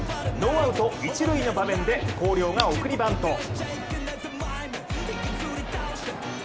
ノーアウト１塁の場面で広陵が送りバント。